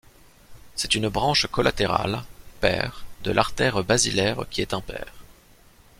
C'est une branche collatérale, paire, de l'artère basilaire qui est impaire.